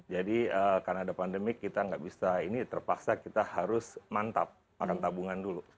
jadi karena ada pandemik kita tidak bisa ini terpaksa kita harus mantap makan tabungan dulu